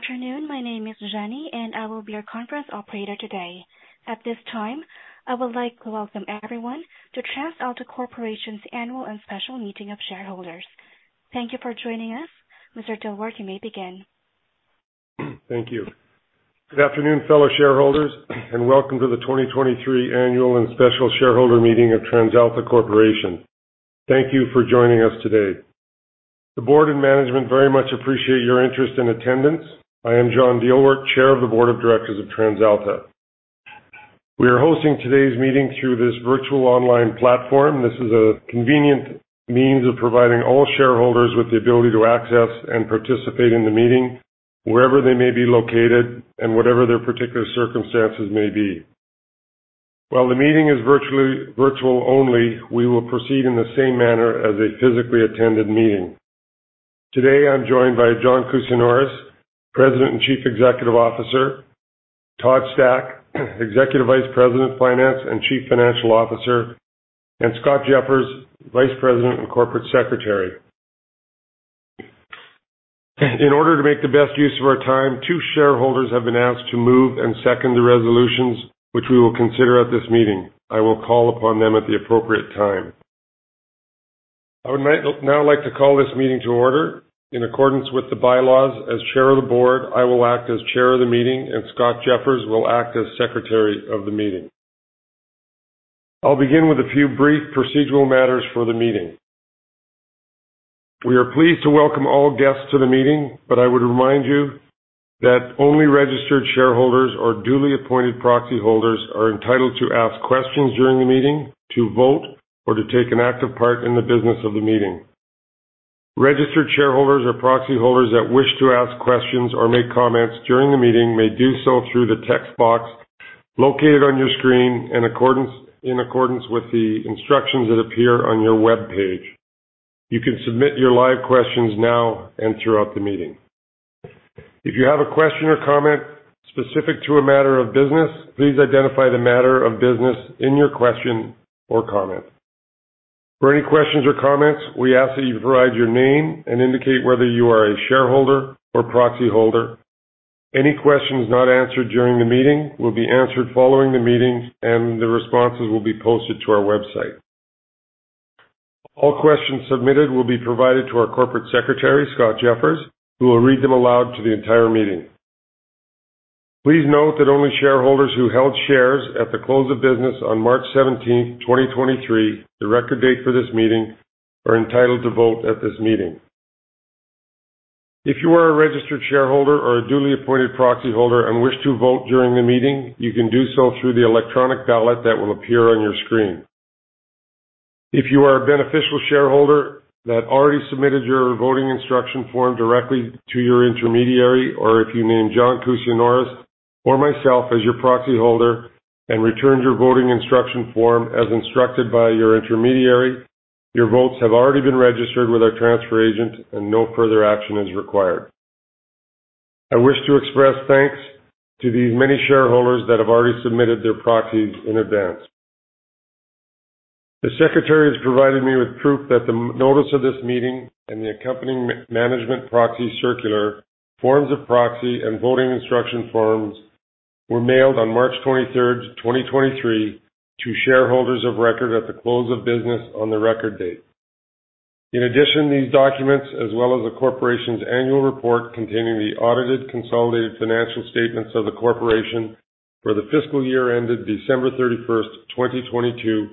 Good afternoon. My name is Jenny, and I will be your conference operator today. At this time, I would like to welcome everyone to TransAlta Corporation's Annual and Special Meeting of Shareholders. Thank you for joining us. Mr. Dielwart, you may begin. Thank you. Good afternoon, fellow shareholders, and welcome to the 2023 Annual and Special Shareholder Meeting of TransAlta Corporation. Thank you for joining us today. The Board and Management very much appreciate your interest and attendance. I am John Dielwart, Chair of the Board of Directors of TransAlta. We are hosting today's meeting through this virtual online platform. This is a convenient means of providing all shareholders with the ability to access and participate in the meeting wherever they may be located and whatever their particular circumstances may be. While the meeting is virtual only, we will proceed in the same manner as a physically attended meeting. Today, I'm joined by John Kousinioris, President and Chief Executive Officer, Todd Stack, Executive Vice President, Finance and Chief Financial Officer, and Scott Jeffers, Vice President and Corporate Secretary. In order to make the best use of our time, two shareholders have been asked to move and second the resolutions, which we will consider at this meeting. I will call upon them at the appropriate time. I would now like to call this meeting to order. In accordance with the bylaws, as Chair of the Board, I will act as Chair of the meeting, and Scott Jeffers will act as Secretary of the meeting. I'll begin with a few brief procedural matters for the meeting. We are pleased to welcome all guests to the meeting, but I would remind you that only registered shareholders or duly appointed proxy holders are entitled to ask questions during the meeting, to vote, or to take an active part in the business of the meeting. Registered shareholders or proxy holders that wish to ask questions or make comments during the meeting may do so through the text box located on your screen in accordance with the instructions that appear on your webpage. You can submit your live questions now and throughout the meeting. If you have a question or comment specific to a matter of business, please identify the matter of business in your question or comment. For any questions or comments, we ask that you provide your name and indicate whether you are a shareholder or proxy holder. Any questions not answered during the meeting will be answered following the meeting, and the responses will be posted to our website. All questions submitted will be provided to our Corporate Secretary, Scott Jeffers, who will read them aloud to the entire meeting. Please note that only shareholders who held shares at the close of business on March 17th, 2023, the record date for this meeting, are entitled to vote at this meeting. If you are a registered shareholder or a duly appointed proxy holder and wish to vote during the meeting, you can do so through the electronic ballot that will appear on your screen. If you are a beneficial shareholder that already submitted your voting instruction form directly to your intermediary, or if you named John Kousinioris or myself as your proxy holder and returned your voting instruction form as instructed by your intermediary, your votes have already been registered with our transfer agent, and no further action is required. I wish to express thanks to these many shareholders that have already submitted their proxies in advance. The Secretary has provided me with proof that the notice of this meeting and the accompanying management proxy circular, forms of proxy, and voting instruction forms were mailed on March 23rd, 2023, to shareholders of record at the close of business on the record date. In addition, these documents, as well as the Corporation's annual report containing the audited consolidated financial statements of the Corporation for the fiscal year ended December 31st, 2022,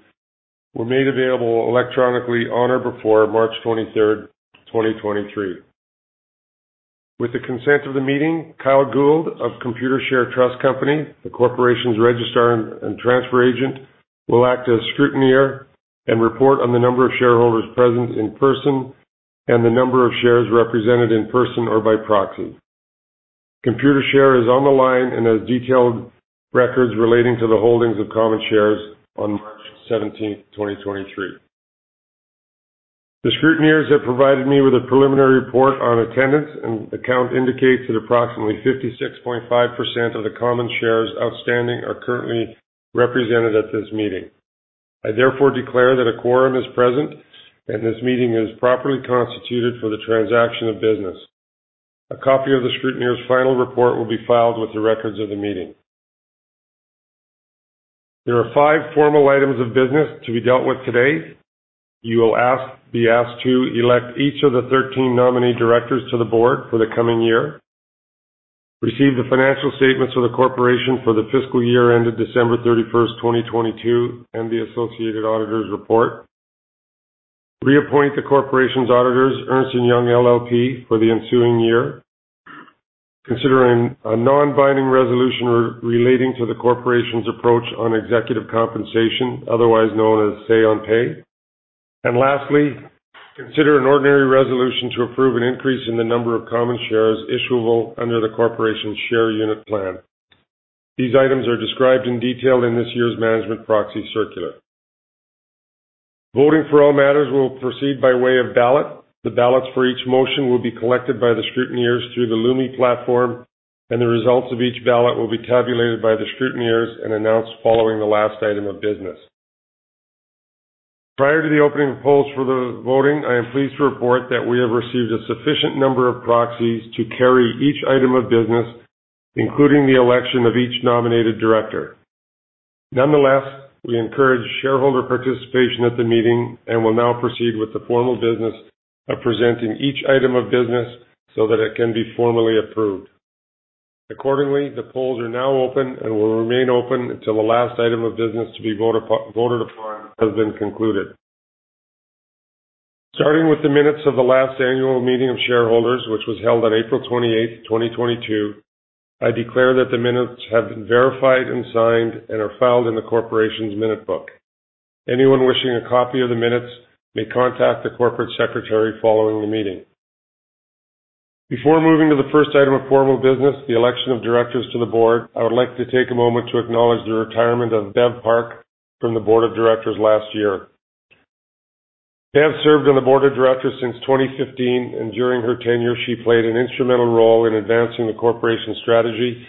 were made available electronically on or before March 23rd, 2023. With the consent of the meeting, Kyle Gould of Computershare Trust Company, the Corporation's registrar and transfer agent, will act as scrutineer and report on the number of shareholders present in person and the number of shares represented in person or by proxy. Computershare is on the line and has detailed records relating to the holdings of common shares on March 17th, 2023. The scrutineers have provided me with a preliminary report on attendance, and the count indicates that approximately 56.5% of the common shares outstanding are currently represented at this meeting. I therefore declare that a quorum is present, and this meeting is properly constituted for the transaction of business. A copy of the scrutineers' final report will be filed with the records of the meeting. There are five formal items of business to be dealt with today. You will be asked to elect each of the 13 nominee directors to the board for the coming year, receive the financial statements of the corporation for the fiscal year ended December 31st, 2022, and the associated auditors' report, reappoint the corporation's auditors, Ernst & Young LLP, for the ensuing year, consider a non-binding resolution relating to the corporation's approach on executive compensation, otherwise known as Say on Pay. Lastly, consider an ordinary resolution to approve an increase in the number of common shares issuable under the Corporation's Share Unit Plan. These items are described in detail in this year's Management Proxy Circular. Voting for all matters will proceed by way of ballot. The ballots for each motion will be collected by the Scrutineers through the Lumi platform, and the results of each ballot will be tabulated by the Scrutineers and announced following the last item of business. Prior to the opening polls for the voting, I am pleased to report that we have received a sufficient number of proxies to carry each item of business, including the election of each nominated Director. Nonetheless, we encourage shareholder participation at the meeting and will now proceed with the formal business of presenting each item of business so that it can be formally approved. Accordingly, the polls are now open and will remain open until the last item of business to be voted upon has been concluded. Starting with the minutes of the last annual meeting of shareholders, which was held on April 28th, 2022, I declare that the minutes have been verified and signed and are filed in the Corporation's minute book. Anyone wishing a copy of the minutes may contact the Corporate Secretary following the meeting. Before moving to the first item of formal business, the election of Directors to the Board, I would like to take a moment to acknowledge the retirement of Beverlee Park from the Board of Directors last year. Beverlee served on the Board of Directors since 2015, and during her tenure, she played an instrumental role in advancing the Corporation's strategy,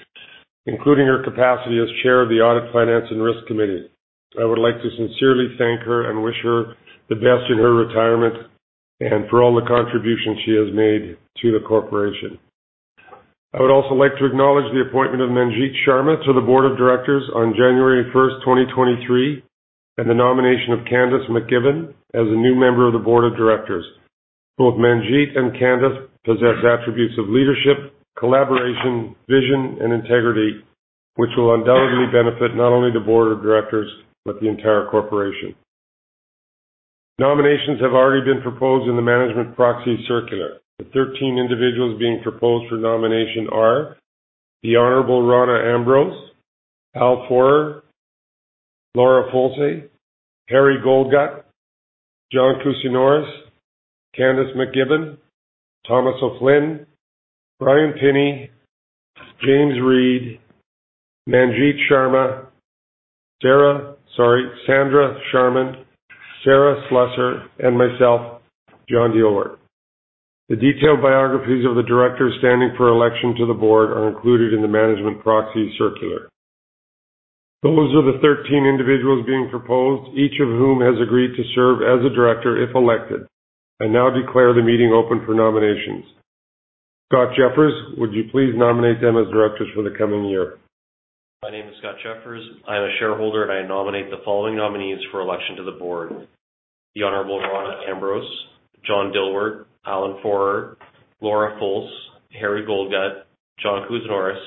including her capacity as Chair of the Audit, Finance and Risk Committee. I would like to sincerely thank her and wish her the best in her retirement and for all the contributions she has made to the Corporation. I would also like to acknowledge the appointment of Manjit K. Sharma to the Board of Directors on January 1st, 2023, and the nomination of Candace MacGibbon as a new member of the Board of Directors. Both Manjit and Candace possess attributes of leadership, collaboration, vision, and integrity, which will undoubtedly benefit not only the Board of Directors but the entire Corporation. Nominations have already been proposed in the Management Proxy Circular. The 13 individuals being proposed for nomination are the Honorable Rona Ambrose, Alan Fohrer, Laura Folse, Harry Goldgut, John Kousinioris, Candace MacGibbon, Thomas M. O'Flynn, Bryan D. Pinney, James Reid, Manjit K. Sharma, Sandra R. Sharman, Sarah A. Slusser, and myself, John Dielwart. The detailed biographies of the Directors standing for election to the Board are included in the Management Proxy Circular. Those are the 13 individuals being proposed, each of whom has agreed to serve as a Director if elected. I now declare the meeting open for nominations. Scott Jeffers, would you please nominate them as Directors for the coming year? My name is Scott Jeffers. I am a shareholder, and I nominate the following nominees for election to the Board. The Honorable Rona Ambrose, John Dielwart, Alan Fohrer, Laura Folse, Harry Goldgut, John Kousinioris,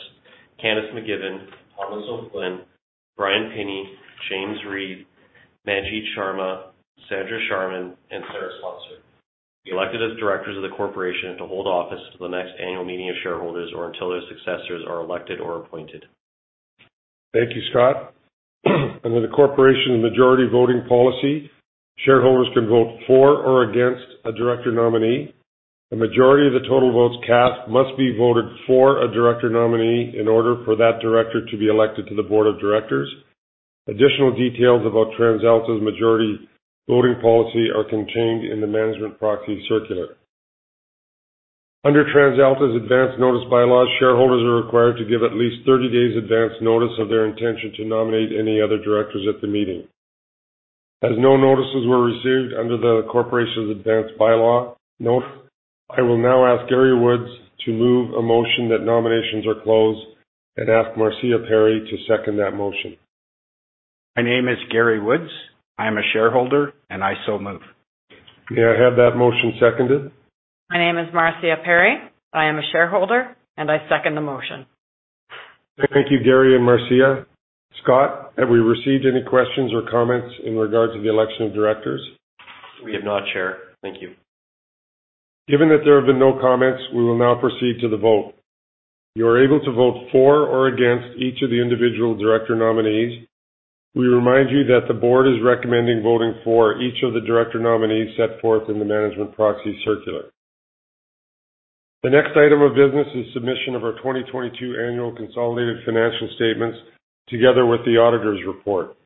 Candace MacGibbon, Thomas M. O'Flynn, Bryan D. Pinney, James Reid, Manjit K. Sharma, Sandra R. Sharman, and Sarah A. Slusser be elected as directors of the Corporation and to hold office to the next Annual Meeting of Shareholders or until their successors are elected or appointed. Thank you, Scott. Under the Corporation Majority Voting Policy, shareholders can vote for or against a director nominee. A majority of the total votes cast must be voted for a director nominee in order for that director to be elected to the Board of Directors. Additional details about TransAlta's Majority Voting Policy are contained in the Management Proxy Circular. Under TransAlta's Advance Notice Bylaws, shareholders are required to give at least 30 days advance notice of their intention to nominate any other directors at the meeting. As no notices were received under the Corporation's Advance Notice Bylaw, I will now ask Gary Woods to move a motion that nominations are closed and ask Marcia Perry to second that motion. My name is Gary Woods. I am a shareholder, and I so move. May I have that motion seconded? My name is Marcia Perry. I am a shareholder, and I second the motion. Thank you, Gary and Marcia. Scott, have we received any questions or comments in regards to the election of directors? We have not, Chair. Thank you. Given that there have been no comments, we will now proceed to the vote. You are able to vote for or against each of the individual director nominees. We remind you that the Board is recommending voting for each of the director nominees set forth in the Management Proxy Circular. The next item of business is submission of our 2022 Annual Consolidated Financial Statements, together with the Auditor's Report.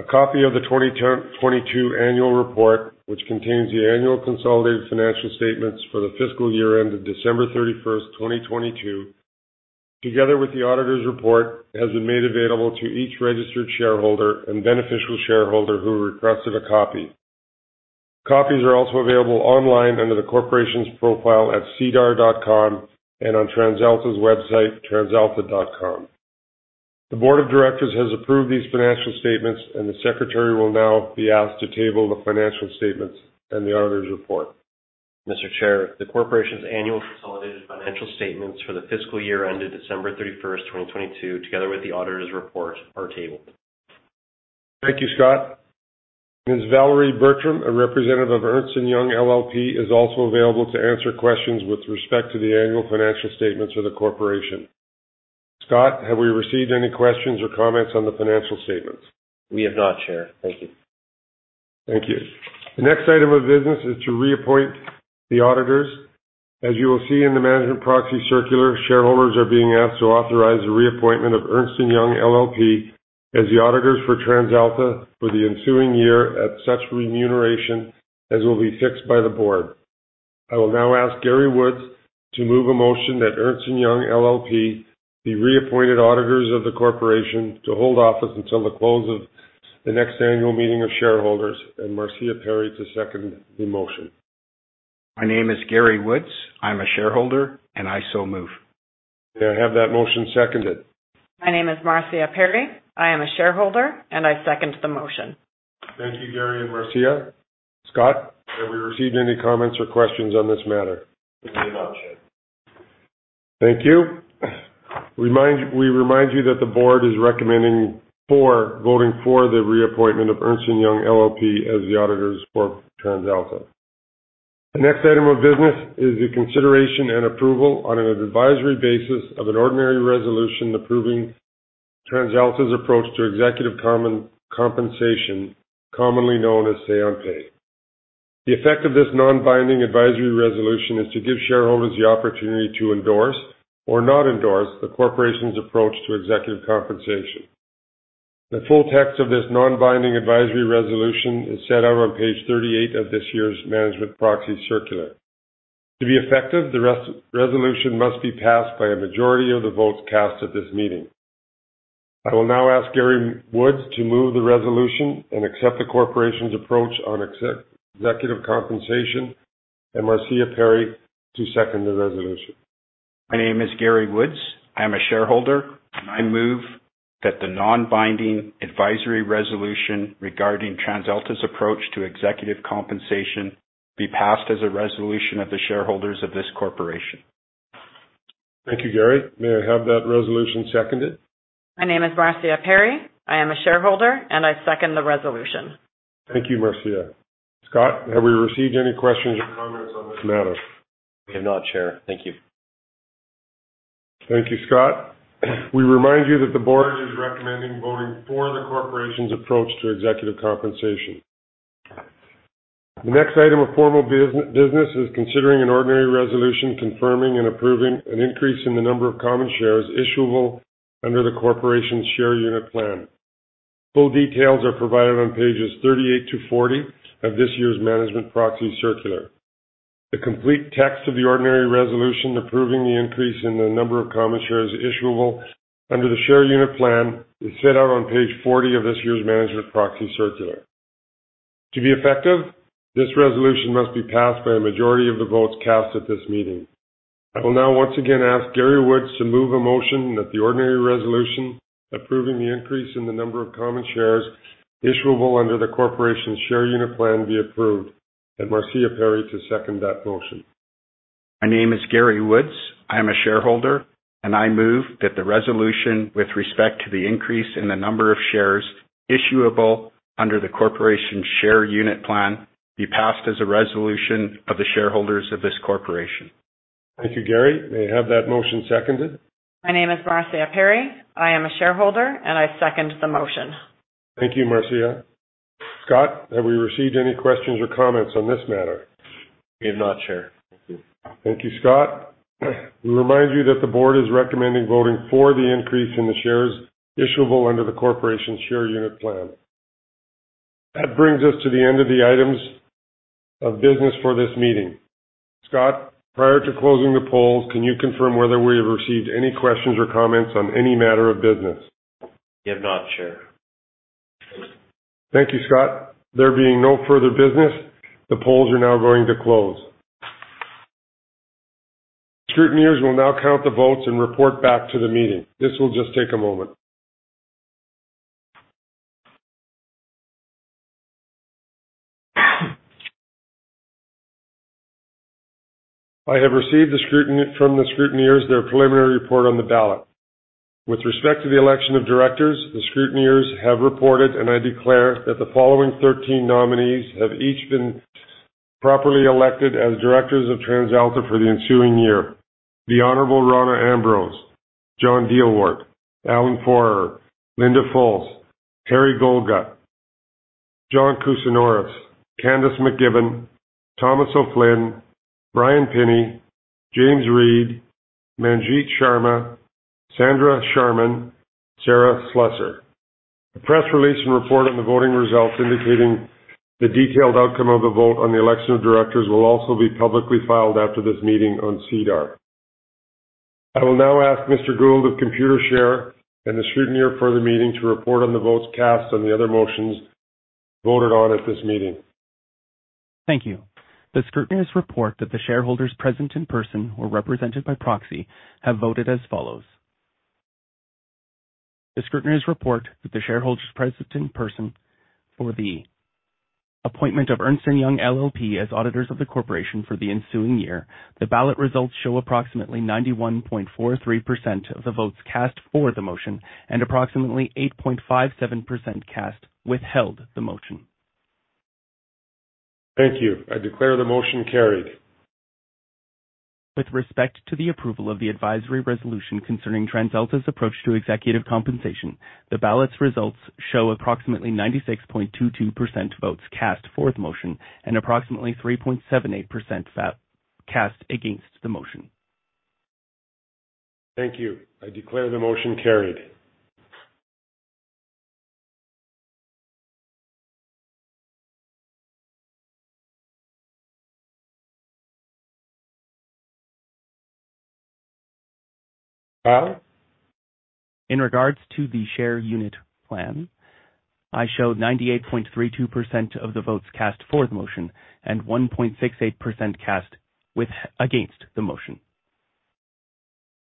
A copy of the 2022 Annual Report, which contains the Annual Consolidated Financial Statements for the fiscal year ended December 31st, 2022, together with the Auditor's Report, has been made available to each registered shareholder and beneficial shareholder who requested a copy. Copies are also available online under the Corporation's profile at sedar.com and on TransAlta's website, transalta.com. The Board of Directors has approved these financial statements, and the Secretary will now be asked to table the financial statements and the Auditor's Report. Mr. Chair, the corporation's annual consolidated financial statements for the fiscal year ended December 31st, 2022, together with the auditor's report, are tabled. Thank you, Scott. Ms. Valerie Bertram, a representative of Ernst & Young LLP, is also available to answer questions with respect to the annual financial statements of the corporation. Scott, have we received any questions or comments on the financial statements? We have not, Chair. Thank you. Thank you. The next item of business is to reappoint the auditors. As you will see in the management proxy circular, shareholders are being asked to authorize the reappointment of Ernst & Young LLP as the auditors for TransAlta for the ensuing year at such remuneration as will be fixed by the Board. I will now ask Gary Woods to move a motion that Ernst & Young LLP be reappointed auditors of the Corporation to hold office until the close of the next annual meeting of shareholders, and Marcia Perry to second the motion. My name is Gary Woods. I'm a shareholder, and I so move. May I have that motion seconded? My name is Marcia Perry. I am a Shareholder, and I second the motion. Thank you, Gary and Marcia. Scott, have we received any comments or questions on this matter? We have not, Chair. Thank you. We remind you that the Board is recommending voting for the reappointment of Ernst & Young LLP as the auditors for TransAlta. The next item of business is the consideration and approval on an advisory basis of an ordinary resolution approving TransAlta's approach to executive compensation, commonly known as Say on Pay. The effect of this non-binding advisory resolution is to give shareholders the opportunity to endorse or not endorse the Corporation's approach to executive compensation. The full text of this non-binding advisory resolution is set out on page 38 of this year's Management Proxy Circular. To be effective, the resolution must be passed by a majority of the votes cast at this meeting. I will now ask Gary Woods to move the resolution and accept the Corporation's approach on executive compensation, and Marcia Perry to second the resolution. My name is Gary Woods. I am a shareholder, and I move that the non-binding advisory resolution regarding TransAlta's approach to executive compensation be passed as a resolution of the shareholders of this corporation. Thank you, Gary. May I have that resolution seconded? My name is Marcia Perry. I am a Shareholder, and I second the resolution. Thank you, Marcia. Scott, have we received any questions or comments on this matter? We have not, Chair. Thank you. Thank you, Scott. We remind you that the Board is recommending voting for the Corporation's approach to executive compensation. The next item of formal business is considering an ordinary resolution confirming and approving an increase in the number of common shares issuable under the Corporation's Share Unit Plan. Full details are provided on pages 38-40 of this year's Management Proxy Circular. The complete text of the ordinary resolution approving the increase in the number of common shares issuable under the Share Unit Plan is set out on page 40 of this year's Management Proxy Circular. To be effective, this resolution must be passed by a majority of the votes cast at this meeting. I will now once again ask Gary Woods to move a motion that the ordinary resolution approving the increase in the number of common shares issuable under the Corporation's Share Unit Plan be approved, and Marcia Perry to second that motion. My name is Gary Woods. I am a shareholder, and I move that the resolution with respect to the increase in the number of shares issuable under the corporation's share unit plan be passed as a resolution of the shareholders of this corporation. Thank you, Gary. May I have that motion seconded? My name is Marcia Perry. I am a Shareholder, and I second the motion. Thank you, Marcia. Scott, have we received any questions or comments on this matter? We have not, Chair. Thank you. Thank you, Scott. We remind you that the Board is recommending voting for the increase in the shares issuable under the Corporation's Share Unit Plan. That brings us to the end of the items of business for this meeting. Scott, prior to closing the polls, can you confirm whether we have received any questions or comments on any matter of business? We have not, Chair. Thank you, Scott. There being no further business, the polls are now going to close. Scrutineers will now count the votes and report back to the meeting. This will just take a moment. I have received from the scrutineers their preliminary report on the ballot. With respect to the election of Directors, the scrutineers have reported, and I declare that the following 13 nominees have each been properly elected as Directors of TransAlta for the ensuing year. The Honorable Rona Ambrose, John Dielwart, Alan Fohrer, Laura Folse, Harry Goldgut, John Kousinioris, Candace MacGibbon, Thomas M. O'Flynn, Bryan D. Pinney, James Reid, Manjit Sharma, Sandra R. Sharman, Sarah A. Slusser. A press release and report on the voting results indicating the detailed outcome of the vote on the election of Directors will also be publicly filed after this meeting on SEDAR. I will now ask Mr. Gould of Computershare and the Scrutineer for the meeting to report on the votes cast on the other motions voted on at this meeting. Thank you. The scrutineers report that the shareholders present in person or represented by proxy have voted as follows. The scrutineers report that the shareholders present in person for the appointment of Ernst & Young LLP as auditors of the Corporation for the ensuing year. The ballot results show approximately 91.43% of the votes cast for the motion and approximately 8.57% cast withheld the motion. Thank you. I declare the motion carried. With respect to the approval of the advisory resolution concerning TransAlta's approach to executive compensation, the ballots results show approximately 96.22% votes cast for the motion and approximately 3.78% cast against the motion. Thank you. I declare the motion carried. In regards to the Share Unit Plan, I show 98.32% of the votes cast for the motion and 1.68% cast against the motion.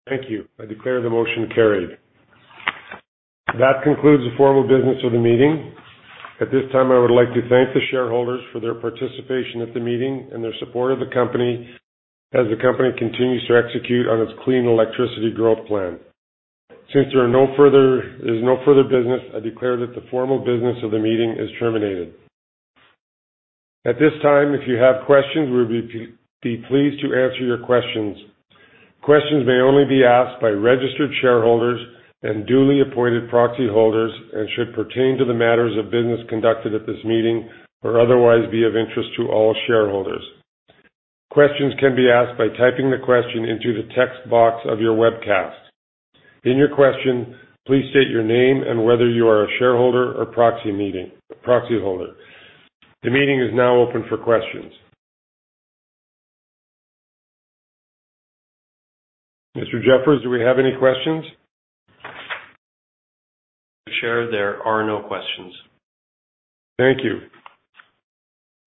Thank you. I declare the motion carried. That concludes the formal business of the meeting. At this time, I would like to thank the shareholders for their participation at the meeting and their support of the company as the company continues to execute on its Clean Electricity Growth Plan. Since there's no further business, I declare that the formal business of the meeting is terminated. At this time, if you have questions, we would be pleased to answer your questions. Questions may only be asked by registered shareholders and duly appointed proxy holders and should pertain to the matters of business conducted at this meeting or otherwise be of interest to all shareholders. Questions can be asked by typing the question into the text box of your webcast. In your question, please state your name and whether you are a shareholder or proxy holder. The meeting is now open for questions. Mr. Jeffers, do we have any questions? Sure, there are no questions. Thank you.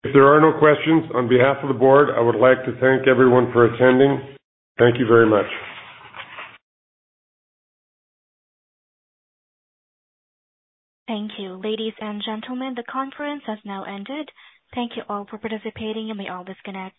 If there are no questions, on behalf of the Board, I would like to thank everyone for attending. Thank you very much. Thank you. Ladies and gentlemen, the conference has now ended. Thank you all for participating, and may all disconnect.